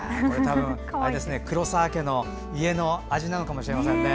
黒澤家の家の味なのかもしれませんね。